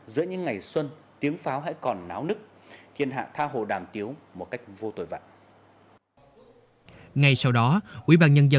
giờ này mày đi đâu mày lấy xăng